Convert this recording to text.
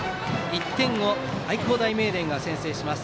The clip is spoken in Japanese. １点を愛工大名電が先制します。